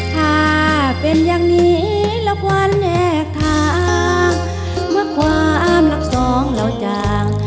ถ้าเป็นอย่างนี้แล้วความแลกทางเมื่อความรักสองเราจาง